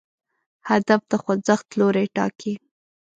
هدف د خوځښت لوری ټاکي.